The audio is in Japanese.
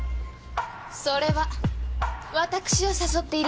それは私を誘っているのかしら？